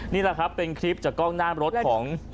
นี่แหละครับเป็นคลิปจากกล้องหน้ารถของ